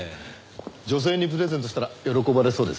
女性にプレゼントしたら喜ばれそうですね。